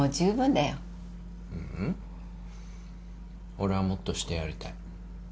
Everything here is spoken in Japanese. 俺はもっとしてやりたい。